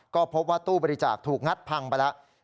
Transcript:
ก็พบว่าตู้บริจาคถูกงัดพังไปแล้ว